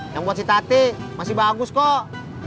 yang buat si tati masih bagus kok